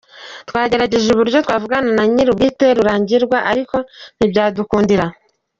Twagerageje uburyo twavugana na nyirubwite Rurangirwa ariko ntibyadukundira.